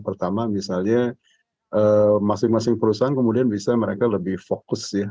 pertama misalnya masing masing perusahaan kemudian bisa mereka lebih fokus ya